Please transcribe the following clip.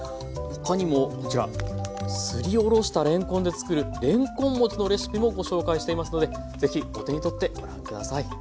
他にもこちらすりおろしたれんこんで作るれんこん餅のレシピもご紹介していますので是非お手に取ってご覧下さい。